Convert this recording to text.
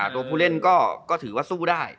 ตัวผู้เล่นก็ถือว่าสู้ได้